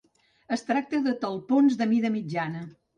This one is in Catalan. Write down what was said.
Es tracta de talpons de mida mitjana.